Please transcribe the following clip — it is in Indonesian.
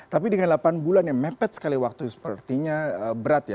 tapi dengan delapan bulan yang mepet sekali waktu sepertinya berat ya